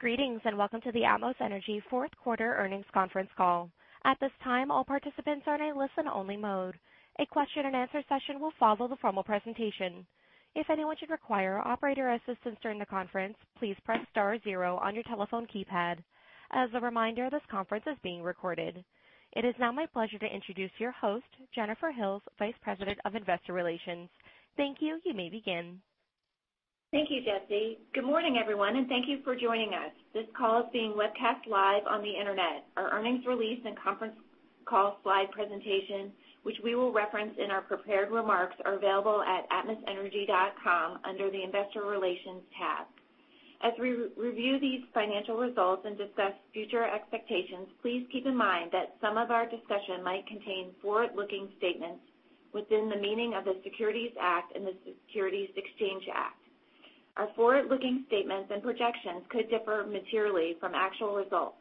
Greetings, and welcome to the Atmos Energy fourth quarter earnings conference call. At this time, all participants are in a listen-only mode. A question and answer session will follow the formal presentation. If anyone should require operator assistance during the conference, please press star zero on your telephone keypad. As a reminder, this conference is being recorded. It is now my pleasure to introduce your host, Jennifer Hills, Vice President of Investor Relations. Thank you. You may begin. Thank you, Jesse. Good morning, everyone, and thank you for joining us. This call is being webcast live on the internet. Our earnings release and conference call slide presentation, which we will reference in our prepared remarks, are available at atmosenergy.com under the investor relations tab. As we review these financial results and discuss future expectations, please keep in mind that some of our discussion might contain forward-looking statements within the meaning of the Securities Act and the Securities Exchange Act. Our forward-looking statements and projections could differ materially from actual results.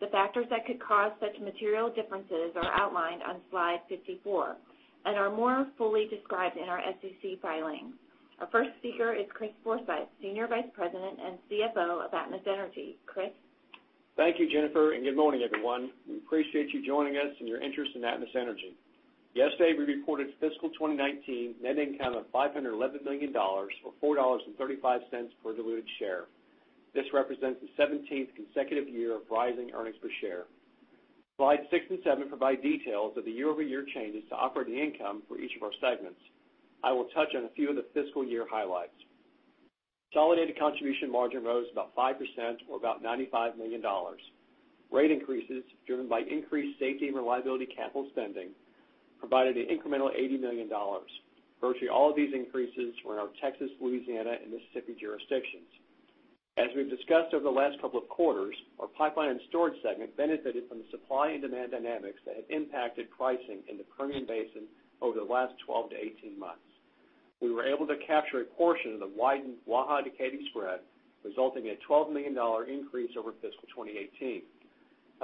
The factors that could cause such material differences are outlined on slide 54 and are more fully described in our SEC filing. Our first speaker is Chris Forsythe, Senior Vice President and CFO of Atmos Energy. Chris? Thank you, Jennifer. Good morning, everyone. We appreciate you joining us and your interest in Atmos Energy. Yesterday, we reported fiscal 2019 net income of $511 million or $4.35 per diluted share. This represents the 17th consecutive year of rising earnings per share. Slide six and seven provide details of the year-over-year changes to operating income for each of our segments. I will touch on a few of the fiscal year highlights. Consolidated contribution margin rose about 5% or about $95 million. Rate increases, driven by increased safety and reliability capital spending, provided an incremental $80 million. Virtually all of these increases were in our Texas, Louisiana, and Mississippi jurisdictions. As we've discussed over the last couple of quarters, our pipeline and storage segment benefited from the supply and demand dynamics that have impacted pricing in the Permian Basin over the last 12 to 18 months. We were able to capture a portion of the widened Waha to Katy spread, resulting in a $12 million increase over fiscal 2018.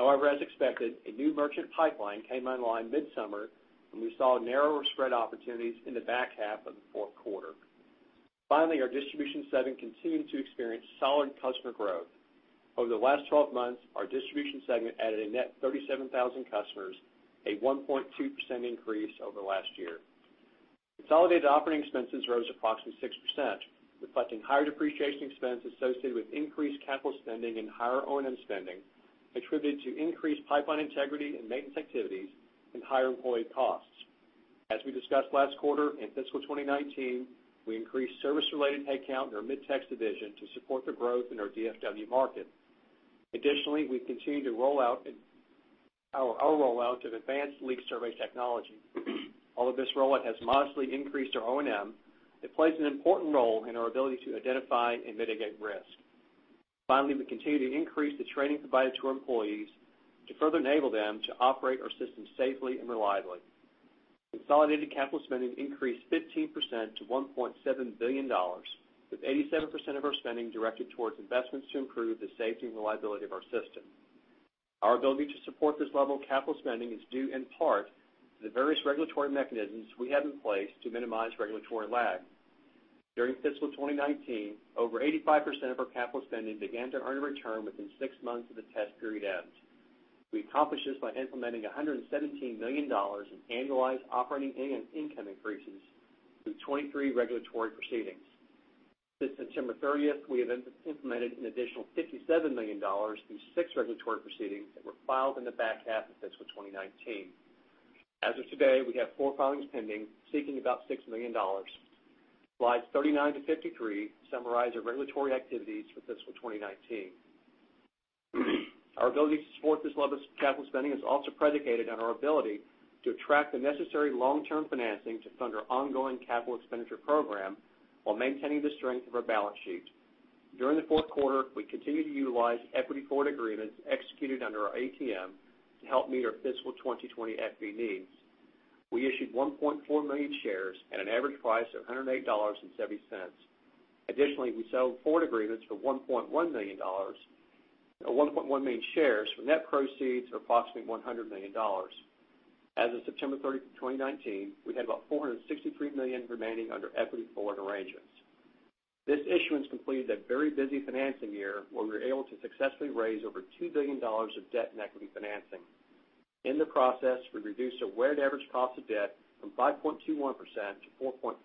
As expected, a new merchant pipeline came online midsummer, and we saw narrower spread opportunities in the back half of the fourth quarter. Our distribution segment continued to experience solid customer growth. Over the last 12 months, our distribution segment added a net 37,000 customers, a 1.2% increase over last year. Consolidated operating expenses rose approximately 6%, reflecting higher depreciation expense associated with increased capital spending and higher O&M spending attributed to increased pipeline integrity and maintenance activities and higher employee costs. As we discussed last quarter, in fiscal 2019, we increased service-related headcount in our Mid-Tex Division to support the growth in our DFW market. We've continued our rollout of advanced leak survey technology. Although this rollout has modestly increased our O&M, it plays an important role in our ability to identify and mitigate risk. We continue to increase the training provided to our employees to further enable them to operate our systems safely and reliably. Consolidated capital spending increased 15% to $1.7 billion, with 87% of our spending directed towards investments to improve the safety and reliability of our system. Our ability to support this level of capital spending is due in part to the various regulatory mechanisms we have in place to minimize regulatory lag. During fiscal 2019, over 85% of our capital spending began to earn a return within six months of the test period end. We accomplished this by implementing $117 million in annualized operating and income increases through 23 regulatory proceedings. Since September 30th, we have implemented an additional $57 million through six regulatory proceedings that were filed in the back half of fiscal 2019. As of today, we have four filings pending, seeking about $6 million. Slides 39 to 53 summarize our regulatory activities for fiscal 2019. Our ability to support this level of capital spending is also predicated on our ability to attract the necessary long-term financing to fund our ongoing capital expenditure program while maintaining the strength of our balance sheet. During the fourth quarter, we continued to utilize equity forward agreements executed under our ATM to help meet our fiscal 2020 equity needs. We issued 1.4 million shares at an average price of $108.70. Additionally, we sold forward agreements for 1.1 million shares for net proceeds of approximately $100 million. As of September 30, 2019, we had about $463 million remaining under equity forward arrangements. This issuance completed a very busy financing year where we were able to successfully raise over $2 billion of debt and equity financing. In the process, we reduced our weighted average cost of debt from 5.21%-4.58%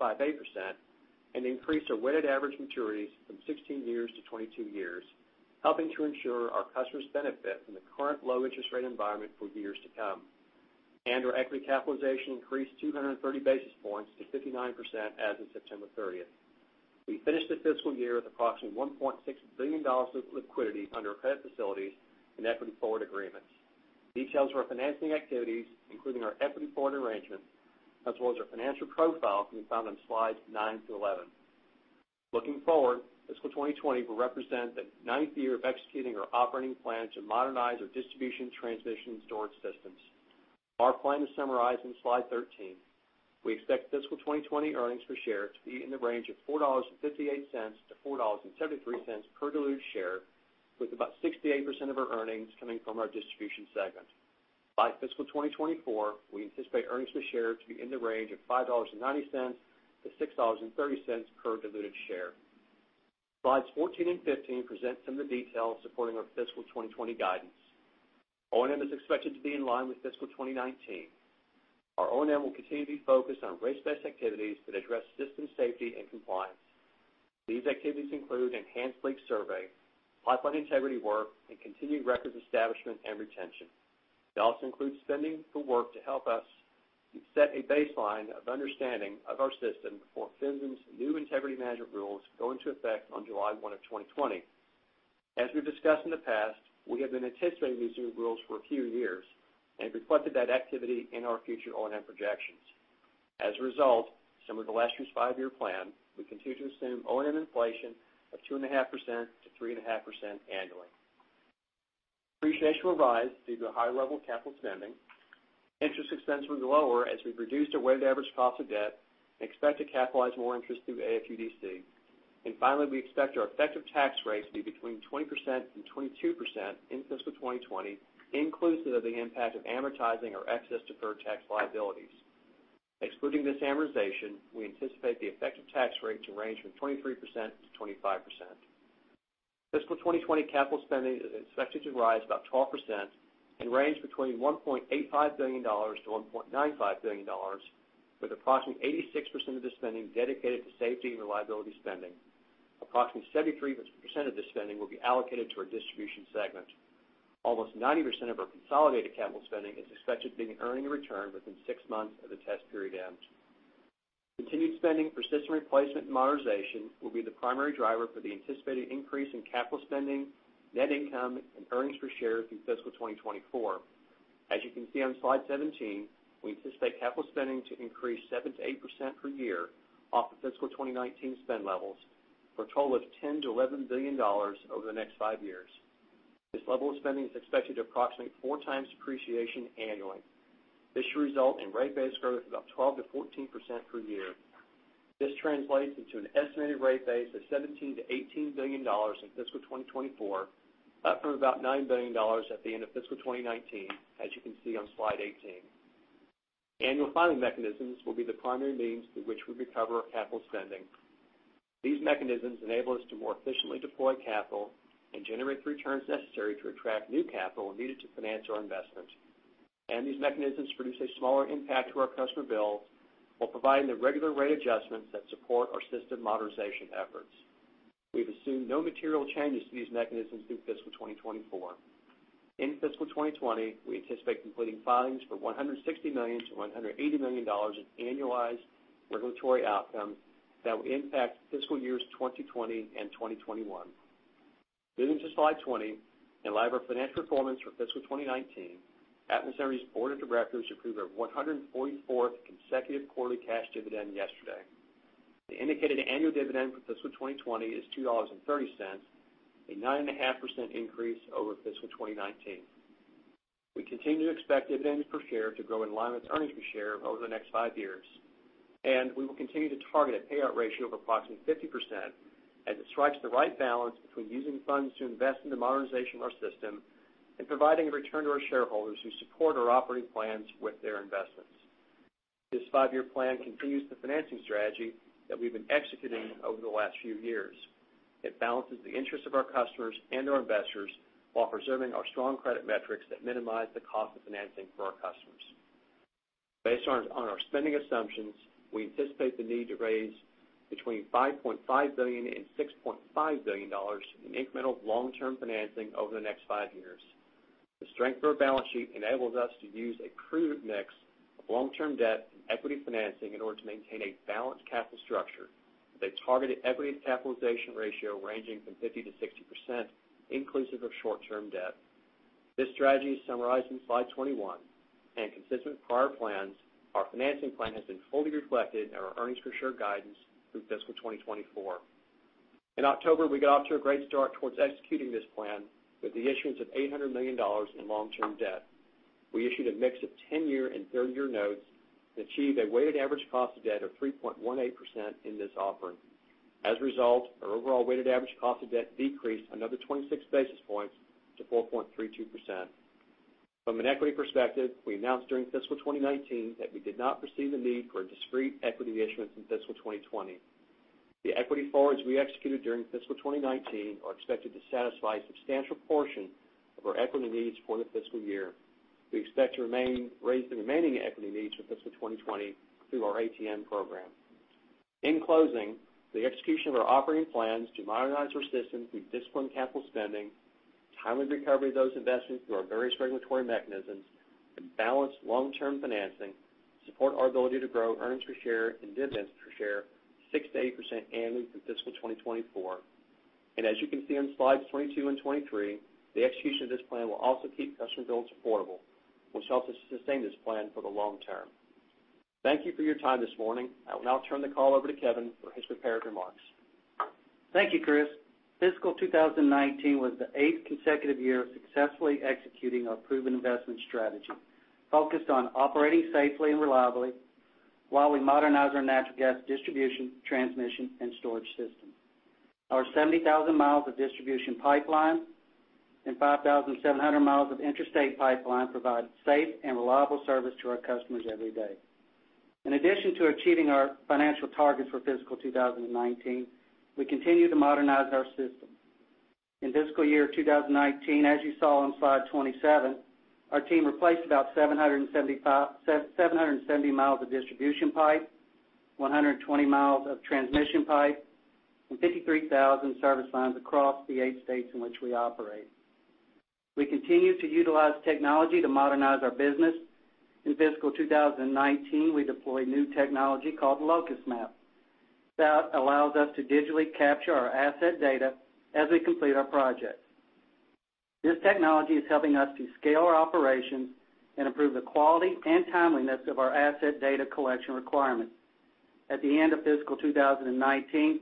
and increased our weighted average maturities from 16 years-22 years, helping to ensure our customers benefit from the current low interest rate environment for years to come. Our equity capitalization increased 230 basis points to 59% as of September 30th. We finished the fiscal year with approximately $1.6 billion of liquidity under our credit facilities and equity forward agreements. Details of our financing activities, including our equity forward arrangements, as well as our financial profile, can be found on slides 9 through 11. Looking forward, fiscal 2020 will represent the ninth year of executing our operating plan to modernize our distribution transmission storage systems. Our plan is summarized in slide 13. We expect fiscal 2020 earnings per share to be in the range of $4.58-$4.73 per diluted share, with about 68% of our earnings coming from our distribution segment. By fiscal 2024, we anticipate earnings per share to be in the range of $5.90-$6.30 per diluted share. Slides 14 and 15 present some of the details supporting our fiscal 2020 guidance. O&M is expected to be in line with fiscal 2019. Our O&M will continue to be focused on risk-based activities that address system safety and compliance. These activities include enhanced leak survey, pipeline integrity work, and continued records establishment and retention. It also includes spending for work to help us set a baseline of understanding of our system before PHMSA's new integrity management rules go into effect on July 1 of 2020. As we've discussed in the past, we have been anticipating these new rules for a few years and reflected that activity in our future O&M projections. As a result, similar to last year's five-year plan, we continue to assume O&M inflation of 2.5%-3.5% annually. Depreciation will rise due to a high level of capital spending. Interest expense will be lower as we've reduced our weighted average cost of debt and expect to capitalize more interest through AFUDC. Finally, we expect our effective tax rate to be between 20% and 22% in fiscal 2020, inclusive of the impact of amortizing our excess deferred tax liabilities. Excluding this amortization, we anticipate the effective tax rate to range from 23%-25%. Fiscal 2020 capital spending is expected to rise about 12% and range between $1.85 billion-$1.95 billion, with approximately 86% of the spending dedicated to safety and reliability spending. Approximately 73% of the spending will be allocated to our Distribution Segment. Almost 90% of our consolidated capital spending is expected to be earning a return within six months of the test period end. Continued spending for system replacement and modernization will be the primary driver for the anticipated increase in capital spending, net income, and earnings per share through fiscal 2024. As you can see on slide 17, we anticipate capital spending to increase 7%-8% per year off of fiscal 2019 spend levels for a total of $10 billion-$11 billion over the next five years. This level of spending is expected to approximate four times depreciation annually. This should result in rate base growth of about 12%-14% per year. This translates into an estimated rate base of $17 billion-$18 billion in fiscal 2024, up from about $9 billion at the end of fiscal 2019, as you can see on slide 18. Annual filing mechanisms will be the primary means through which we recover our capital spending. These mechanisms enable us to more efficiently deploy capital and generate the returns necessary to attract new capital needed to finance our investment. These mechanisms produce a smaller impact to our customer bills while providing the regular rate adjustments that support our system modernization efforts. We've assumed no material changes to these mechanisms through fiscal 2024. In fiscal 2020, we anticipate completing filings for $160 million-$180 million in annualized regulatory outcomes that will impact fiscal years 2020 and 2021. Moving to slide 20, in light of our financial performance for fiscal 2019, Atmos Energy's board of directors approved our 144th consecutive quarterly cash dividend yesterday. The indicated annual dividend for fiscal 2020 is $2.30, a 9.5% increase over fiscal 2019. We continue to expect dividends per share to grow in line with earnings per share over the next five years, and we will continue to target a payout ratio of approximately 50% as it strikes the right balance between using funds to invest in the modernization of our system and providing a return to our shareholders who support our operating plans with their investments. This five-year plan continues the financing strategy that we've been executing over the last few years. It balances the interests of our customers and our investors while preserving our strong credit metrics that minimize the cost of financing for our customers. Based on our spending assumptions, we anticipate the need to raise between $5.5 billion and $6.5 billion in incremental long-term financing over the next five years. The strength of our balance sheet enables us to use a prudent mix of long-term debt and equity financing in order to maintain a balanced capital structure with a targeted equity capitalization ratio ranging from 50%-60%, inclusive of short-term debt. This strategy is summarized in slide 21, and consistent with prior plans, our financing plan has been fully reflected in our earnings per share guidance through fiscal 2024. In October, we got off to a great start towards executing this plan with the issuance of $800 million in long-term debt. We issued a mix of 10-year and 30-year notes and achieved a weighted average cost of debt of 3.18% in this offering. As a result, our overall weighted average cost of debt decreased another 26 basis points to 4.32%. From an equity perspective, we announced during fiscal 2019 that we did not foresee the need for a discrete equity issuance in fiscal 2020. The equity forwards we executed during fiscal 2019 are expected to satisfy a substantial portion of our equity needs for the fiscal year. We expect to raise the remaining equity needs for fiscal 2020 through our ATM program. In closing, the execution of our operating plans to modernize our systems through disciplined capital spending, timely recovery of those investments through our various regulatory mechanisms, and balanced long-term financing support our ability to grow earnings per share and dividends per share 6% to 8% annually through fiscal 2024. As you can see on slides 22 and 23, the execution of this plan will also keep customer bills affordable, which helps us sustain this plan for the long term. Thank you for your time this morning. I will now turn the call over to Kevin for his prepared remarks. Thank you, Chris. Fiscal 2019 was the eighth consecutive year of successfully executing our proven investment strategy focused on operating safely and reliably while we modernize our natural gas distribution, transmission, and storage system. Our 70,000 miles of distribution pipeline and 5,700 miles of interstate pipeline provide safe and reliable service to our customers every day. In addition to achieving our financial targets for fiscal 2019, we continue to modernize our system. In fiscal year 2019, as you saw on slide 27, our team replaced about 770 miles of distribution pipe, 120 miles of transmission pipe, and 53,000 service lines across the eight states in which we operate. We continue to utilize technology to modernize our business. In fiscal 2019, we deployed new technology called Locusview that allows us to digitally capture our asset data as we complete our projects. This technology is helping us to scale our operations and improve the quality and timeliness of our asset data collection requirements. At the end of fiscal 2019,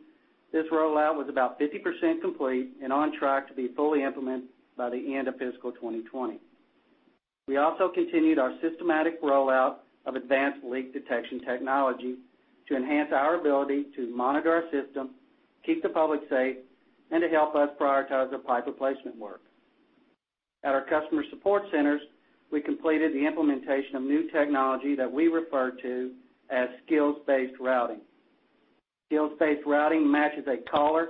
this rollout was about 50% complete and on track to be fully implemented by the end of fiscal 2020. We also continued our systematic rollout of advanced leak detection technology to enhance our ability to monitor our system, keep the public safe, and to help us prioritize the pipe replacement work. At our customer support centers, we completed the implementation of new technology that we refer to as skills-based routing. Skills-based routing matches a caller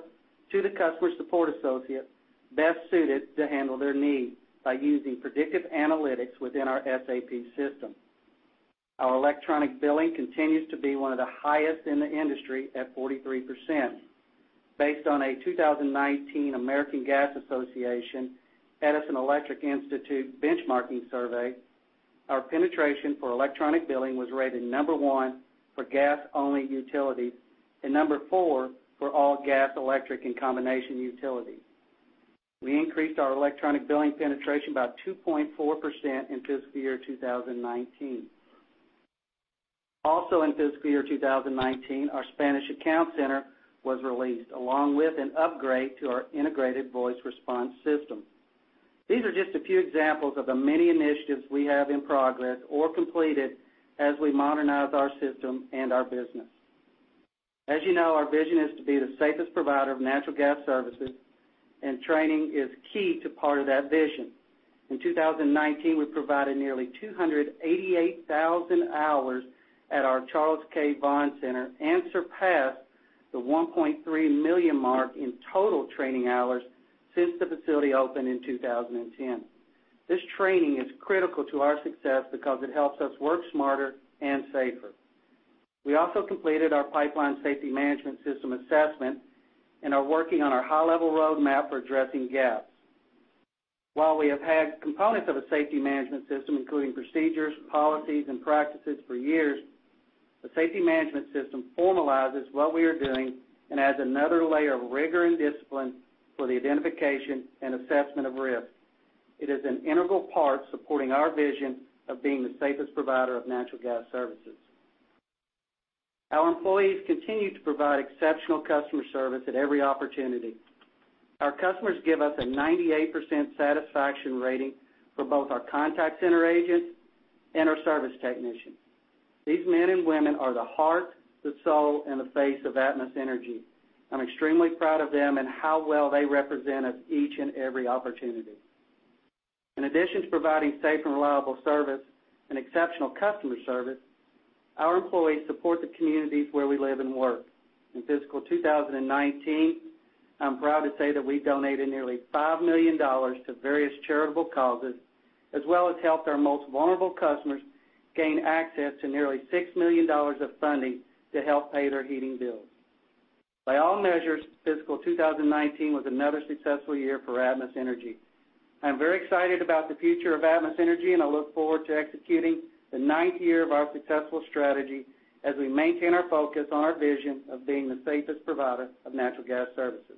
to the customer support associate best suited to handle their needs by using predictive analytics within our SAP system. Our electronic billing continues to be one of the highest in the industry at 43%. Based on a 2019 American Gas Association/Edison Electric Institute benchmarking survey, our penetration for electronic billing was rated number one for gas-only utilities and number four for all gas, electric, and combination utilities. We increased our electronic billing penetration by 2.4% in fiscal year 2019. Also, in fiscal year 2019, our Spanish account center was released, along with an upgrade to our integrated voice response system. These are just a few examples of the many initiatives we have in progress or completed as we modernize our system and our business. As you know, our vision is to be the safest provider of natural gas services, and training is key to part of that vision. In 2019, we provided nearly 288,000 hours at our Charles K. Vaughn Center and surpassed the 1.3 million mark in total training hours since the facility opened in 2010. This training is critical to our success because it helps us work smarter and safer. We also completed our pipeline safety management system assessment and are working on our high-level roadmap for addressing gaps. While we have had components of a safety management system, including procedures, policies, and practices for years, the safety management system formalizes what we are doing and adds another layer of rigor and discipline for the identification and assessment of risk. It is an integral part supporting our vision of being the safest provider of natural gas services. Our employees continue to provide exceptional customer service at every opportunity. Our customers give us a 98% satisfaction rating for both our contact center agents and our service technicians. These men and women are the heart, the soul, and the face of Atmos Energy. I'm extremely proud of them and how well they represent us each and every opportunity. In addition to providing safe and reliable service and exceptional customer service, our employees support the communities where we live and work. In fiscal 2019, I'm proud to say that we donated nearly $5 million to various charitable causes, as well as helped our most vulnerable customers gain access to nearly $6 million of funding to help pay their heating bills. By all measures, fiscal 2019 was another successful year for Atmos Energy. I'm very excited about the future of Atmos Energy, and I look forward to executing the ninth year of our successful strategy as we maintain our focus on our vision of being the safest provider of natural gas services.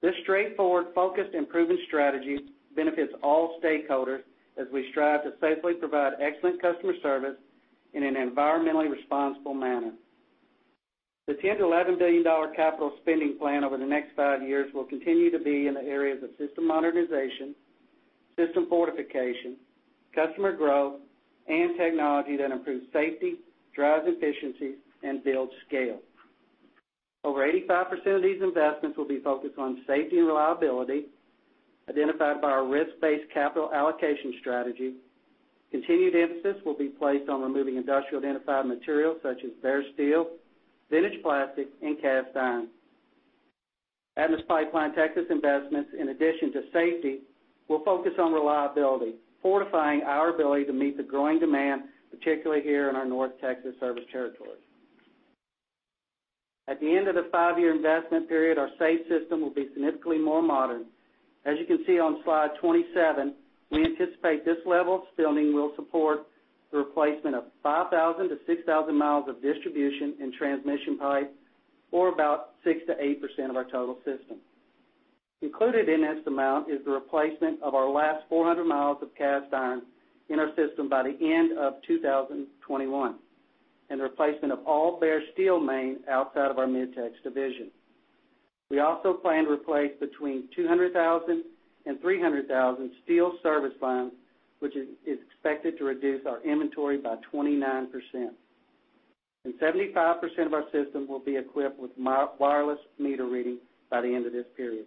This straightforward, focused, and proven strategy benefits all stakeholders as we strive to safely provide excellent customer service in an environmentally responsible manner. The $10 billion-$11 billion capital spending plan over the next five years will continue to be in the areas of system modernization, system fortification, customer growth, and technology that improves safety, drives efficiency, and builds scale. Over 85% of these investments will be focused on safety and reliability identified by our risk-based capital allocation strategy. Continued emphasis will be placed on removing industrial identified materials such as bare steel, vintage plastic, and cast iron. Atmos Pipeline-Texas investments, in addition to safety, will focus on reliability, fortifying our ability to meet the growing demand, particularly here in our North Texas service territories. At the end of the five-year investment period, our safe system will be significantly more modern. As you can see on slide 27, we anticipate this level of spending will support the replacement of 5,000 to 6,000 miles of distribution and transmission pipe, or about 6%-8% of our total system. Included in this amount is the replacement of our last 400 miles of cast iron in our system by the end of 2021 and the replacement of all bare steel main outside of our Mid-Tex Division. We also plan to replace between 200,000 and 300,000 steel service lines, which is expected to reduce our inventory by 29%. 75% of our system will be equipped with wireless meter reading by the end of this period.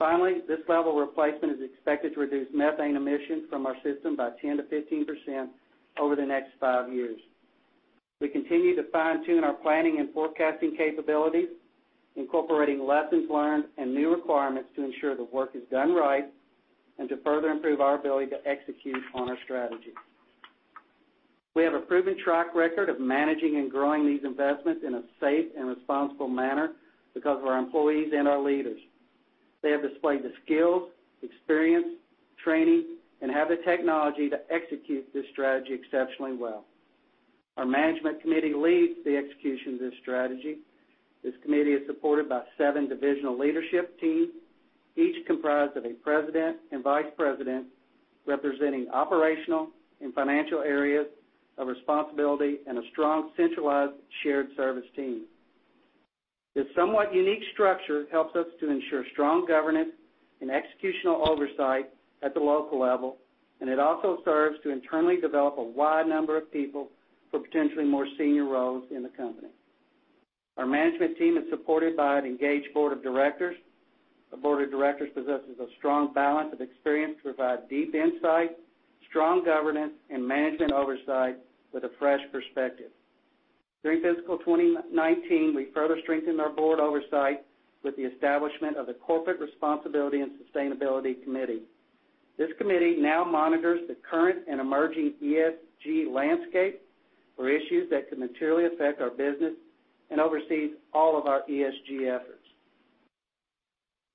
Finally, this level of replacement is expected to reduce methane emissions from our system by 10%-15% over the next five years. We continue to fine-tune our planning and forecasting capabilities, incorporating lessons learned and new requirements to ensure the work is done right and to further improve our ability to execute on our strategy. We have a proven track record of managing and growing these investments in a safe and responsible manner because of our employees and our leaders. They have displayed the skills, experience, training, and have the technology to execute this strategy exceptionally well. Our management committee leads the execution of this strategy. This committee is supported by seven divisional leadership teams, each comprised of a president and vice president representing operational and financial areas of responsibility and a strong centralized shared service team. This somewhat unique structure helps us to ensure strong governance and executional oversight at the local level, and it also serves to internally develop a wide number of people for potentially more senior roles in the company. Our management team is supported by an engaged board of directors. The board of directors possesses a strong balance of experience to provide deep insight, strong governance, and management oversight with a fresh perspective. During fiscal 2019, we further strengthened our board oversight with the establishment of the Corporate Responsibility and Sustainability Committee. This committee now monitors the current and emerging ESG landscape for issues that could materially affect our business and oversees all of our ESG efforts.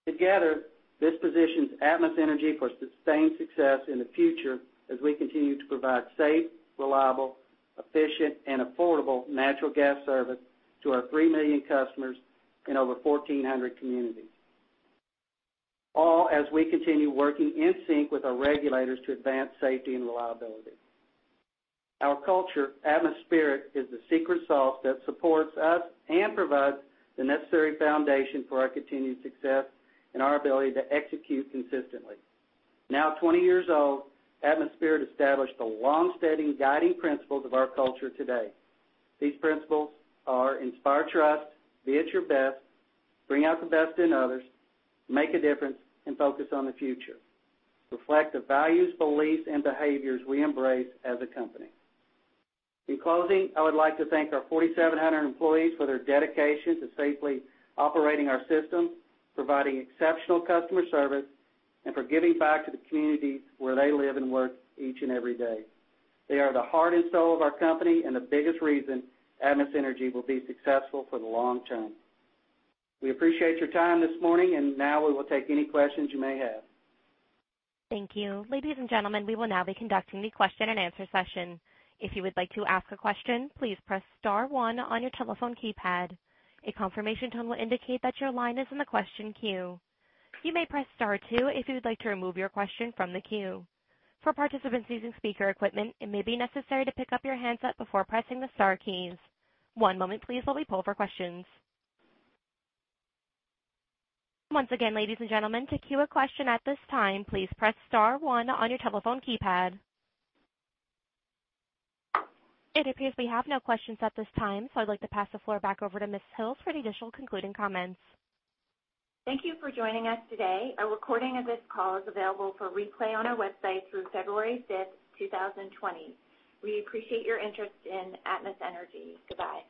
Together, this positions Atmos Energy for sustained success in the future as we continue to provide safe, reliable, efficient, and affordable natural gas service to our 3 million customers in over 1,400 communities, all as we continue working in sync with our regulators to advance safety and reliability. Our culture, Atmos Spirit, is the secret sauce that supports us and provides the necessary foundation for our continued success and our ability to execute consistently. Now 20 years old, Atmos Spirit established the long-standing guiding principles of our culture today. These principles are inspire trust, be at your best, bring out the best in others, make a difference, and focus on the future, reflect the values, beliefs, and behaviors we embrace as a company. In closing, I would like to thank our 4,700 employees for their dedication to safely operating our systems, providing exceptional customer service, and for giving back to the communities where they live and work each and every day. They are the heart and soul of our company and the biggest reason Atmos Energy will be successful for the long term. We appreciate your time this morning, and now we will take any questions you may have. Thank you. Ladies and gentlemen, we will now be conducting the question and answer session. If you would like to ask a question, please press star one on your telephone keypad. A confirmation tone will indicate that your line is in the question queue. You may press star two if you would like to remove your question from the queue. For participants using speaker equipment, it may be necessary to pick up your handset before pressing the star keys. One moment please while we poll for questions. Once again, ladies and gentlemen, to queue a question at this time, please press star one on your telephone keypad. It appears we have no questions at this time. I'd like to pass the floor back over to Ms. Hills for any additional concluding comments. Thank you for joining us today. A recording of this call is available for replay on our website through February 5th, 2020. We appreciate your interest in Atmos Energy. Goodbye.